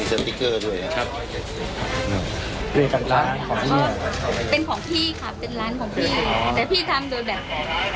ด้วยนะครับเป็นของพี่ครับเป็นร้านของพี่แต่พี่ทำโดยแบบ